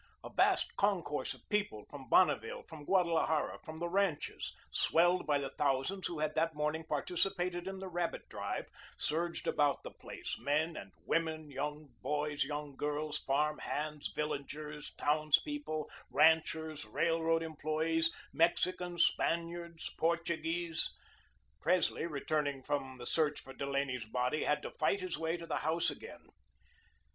A vast concourse of people from Bonneville, from Guadalajara, from the ranches, swelled by the thousands who had that morning participated in the rabbit drive, surged about the place; men and women, young boys, young girls, farm hands, villagers, townspeople, ranchers, railroad employees, Mexicans, Spaniards, Portuguese. Presley, returning from the search for Delaney's body, had to fight his way to the house again.